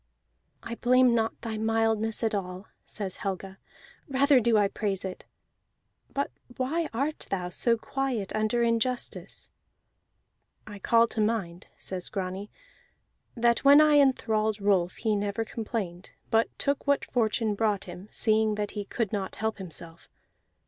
"I blame not thy mildness at all," says Helga, "rather do I praise it. But why art thou so quiet under injustice?" "I call to mind," says Grani, "that when I enthralled Rolf he never complained, but took what fortune brought him, seeing that he could not help himself.